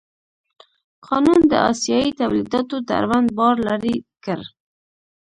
قانون د اسیايي تولیداتو دروند بار لرې کړ.